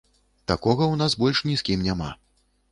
Такога ў нас больш ні з кім няма.